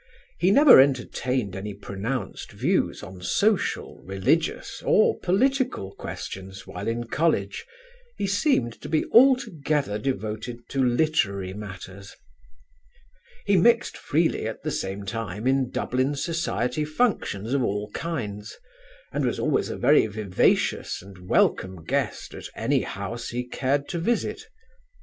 He never entertained any pronounced views on social, religious or political questions while in College; he seemed to be altogether devoted to literary matters. "He mixed freely at the same time in Dublin society functions of all kinds, and was always a very vivacious and welcome guest at any house he cared to visit.